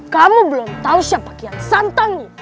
kamu belum tahu siapa kian santangi